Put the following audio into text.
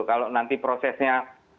kalau nanti prosesnya